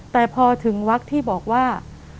แต่พอถึงวักที่บอกว่า